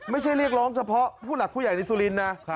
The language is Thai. ไม่ใช่เรียกร้องเฉพาะผู้หลักผู้ใหญ่ในสุรินทร์นะ